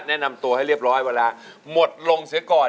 แนะนำตัวให้เรียบร้อยเวลาหมดลงเสียก่อน